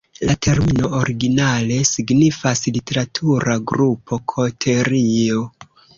La termino originale signifas "literatura grupo","koterio".